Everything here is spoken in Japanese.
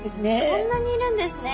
そんなにいるんですね。